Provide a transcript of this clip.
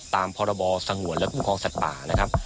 ตามพบสงวนและคุ้มครองสัตว์ป่า